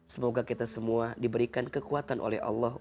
semoga kita semua diberikan kekuatan oleh allah